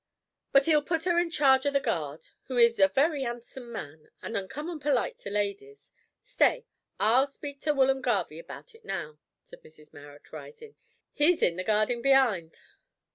But he'll put 'er in charge of the guard, who is a very 'andsome man, and uncommon polite to ladies. Stay, I'll speak to Willum Garvie about it now," said Mrs Marrot, rising; "he's in the garding be'ind."